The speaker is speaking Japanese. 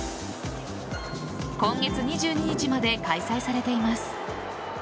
今月２２日まで開催されています。